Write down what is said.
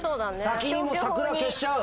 先にもう桜消しちゃう！